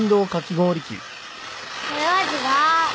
これは違う。